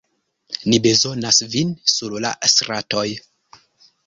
Ni bezonas vin sur la stratoj.